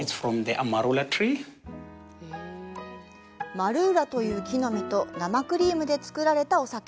マルーラという木の実と生クリームで作られたお酒。